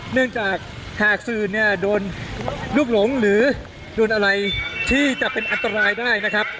เนื่องจากหากสื่อเนี่ยโดนลูกหลงหรือโดนอะไรที่จะเป็นอันตรายได้นะครับ